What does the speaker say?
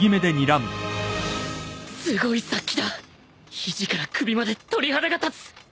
すごい殺気だ肘から首まで鳥肌が立つ！